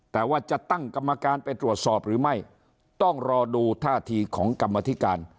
แต่ว่าจะตั้งกรรมการไปตรวจสอบหรือไม่ต้องรอดูท่าทีของกรรมธิการ